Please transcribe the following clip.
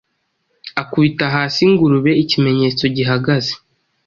Akubita hasi ingurube-ikimenyetso gihagaze